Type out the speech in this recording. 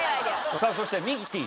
さあそしてミキティ。